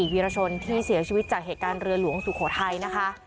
วีรชนที่เสียชีวิตจากเหตุการณ์เรือหลวงสุโขทัยนะคะ